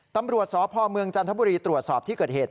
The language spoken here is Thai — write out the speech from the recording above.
ตำรวจสพเมืองจันทบุรีตรวจสอบที่เกิดเหตุ